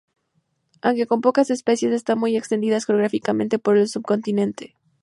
Aunque con pocas especies, están muy extendidas geográficamente por el subcontinente.